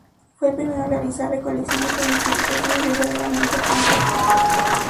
Fue el primero en realizar recolecciones e identificaciones verdaderamente a campo.